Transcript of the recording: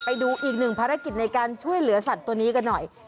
ไปดูอีกหนึ่งภารกิจในการช่วยเหลือสัตว์ตัวนี้กันหน่อย